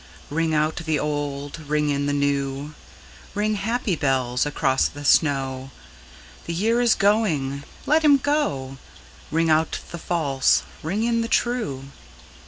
Ring out the old, ring in the new, Ring, happy bells, across the snow: The year is going, let him go; Ring out the false, ring in the true.